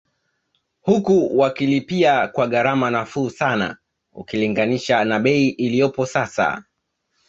Huku wakilipia kwa gharama nafuu sana ukilinganisha na bei iliyopo sasa